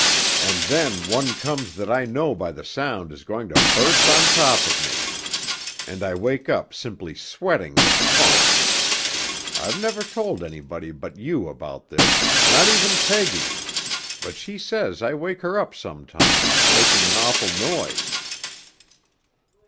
and then one comes that I know by the sound is going to burst on top of me ... and I wake up simply sweating with funk. I've never told anybody but you about this, not even Peggy, but she says I wake her up sometimes, making an awful noise.'